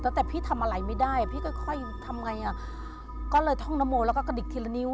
แต่พี่ทำอะไรไม่ได้พี่ก็ค่อยค่อยทำไงอ่ะก็เลยท่องนโมแล้วก็กระดิกทีละนิ้ว